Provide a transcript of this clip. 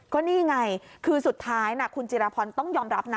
ก็นี่ไงคือสุดท้ายคุณจิราพรต้องยอมรับนะ